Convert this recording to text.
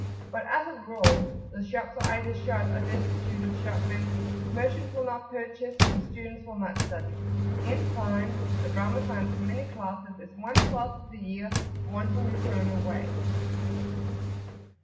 But as a rule the shops are either shut or destitute of shopmen, merchants will not purchase, and students will not study. In fine, [p.76]the Ramazan, for many classes, is one twelfth of the year wantonly thrown away.